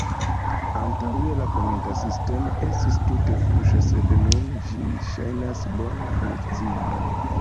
Antaŭe la komenta sistemo estis tute fuŝa sed nun ĝi ŝajnas bone funkcii.